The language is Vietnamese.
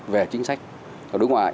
về chính sách ở nước ngoài